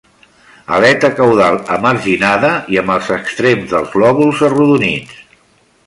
Aleta caudal emarginada i amb els extrems dels lòbuls arrodonits.